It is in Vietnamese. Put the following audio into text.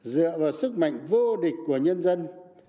dựa vào sức mạnh vô địch của nhân dân